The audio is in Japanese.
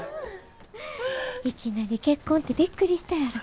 いきなり結婚ってびっくりしたやろ？